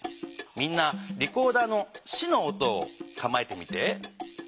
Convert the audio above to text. みんなリコーダーの「シ」の音をかまえてみて。